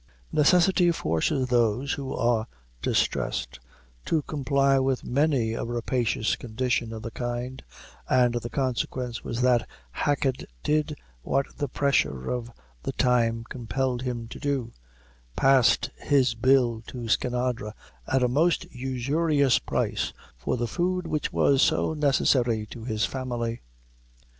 Necessity forces those who are distressed to comply with many a rapacious condition of the kind, and the consequence was that Hacket did what the pressure of the time compelled him to do, passed his bill to Skinadre, at a most usurious price, for the food which was so necessary to his family.